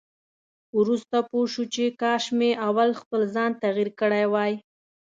وروسته پوه شو چې کاش مې اول خپل ځان تغيير کړی وای.